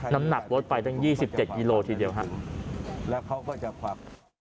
น้ำหนักโบสถ์ไปทั้งยี่สิบเจ็ดยิโลทีเดียวครับแล้วเขาก็จะความ